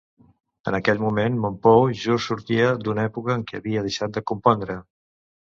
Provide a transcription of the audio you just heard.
En aquell moment Mompou just sortia d'una època en què havia deixat de compondre.